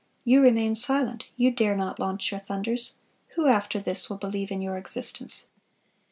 You remain silent; You dare not launch Your thunders. Who after this will believe in Your existence?"